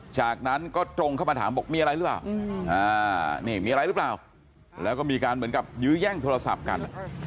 จากนั้นก็ตรงเข้ามาถามตรงมีอะไรหรือเปล่าแล้วก็มีการอยู่แย่งโทรศัพท์กัน